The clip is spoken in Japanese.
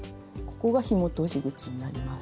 ここがひも通し口になります。